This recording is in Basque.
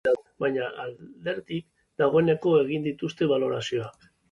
Adierazpena ezin izan dute gaur eztabaidatu, baina alderdiek dagoeneko egin dituzte balorazioak.